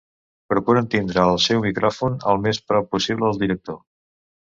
Procuren tindre el seu micròfon el més prop possible del director.